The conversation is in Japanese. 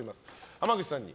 濱口さんに。